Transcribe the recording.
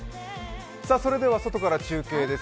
それでは外から中継です。